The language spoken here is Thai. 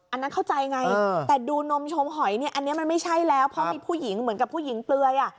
อันนั้นเข้าใจไงแต่ดูนมชมหอยเนี่ยอันนี้มันไม่ใช่แล้วเพราะมีผู้หญิงเหมือนกับผู้หญิงเปลือยอ่ะ